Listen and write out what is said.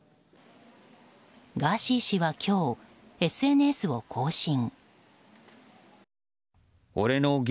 ガーシー氏は今日ＳＮＳを更新。